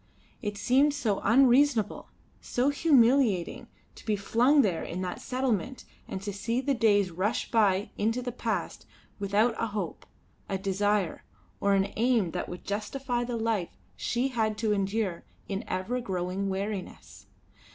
It seemed so unreasonable, so humiliating to be flung there in that settlement and to see the days rush by into the past, without a hope, a desire, or an aim that would justify the life she had to endure in ever growing weariness.